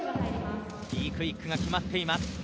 Ｂクイックが決まっています。